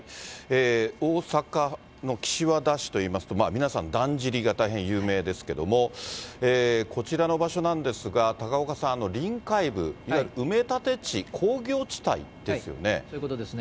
大阪の岸和田市といいますと、皆さんだんじりが大変有名ですけれども、こちらの場所なんですが、高岡さん、臨海部、いわゆる埋め立て地、そういうことですね。